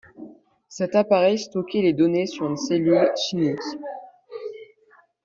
Cet appareil stockait les données sur une cellule chimique.